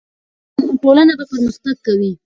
ټولنه به پرمختګ کوي.